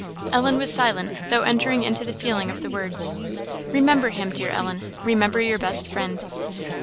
Ellen was silent, though entering into the feeling of the words. "Remember Him, dear Ellen; remember your best Friend.